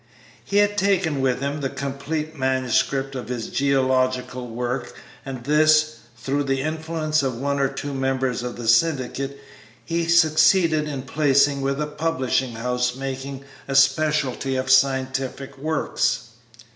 He had taken with him the completed manuscript of his geological work, and this, through the influence of one or two members of the syndicate, he succeeded in placing with a publishing house making a specialty of scientific works.